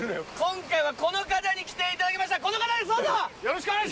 今回はこの方に来ていただきましたこの方ですどうぞ！